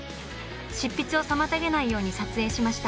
執筆を妨げないように撮影しました。